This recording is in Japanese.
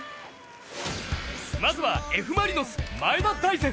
まずはＦ・マリノス前田大然。